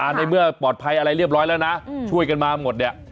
ในเมื่อปลอดภัยอะไรเรียบร้อยแล้วนะช่วยกันมาหมดเนี่ย